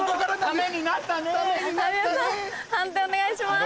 判定お願いします。